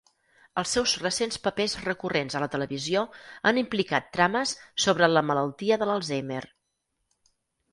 Els seus recents papers recurrents a la televisió han implicat trames sobre la malaltia de l"Alzheimer.